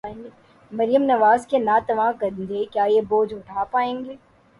مریم نواز کے ناتواں کندھے، کیا یہ بوجھ اٹھا پائیں گے؟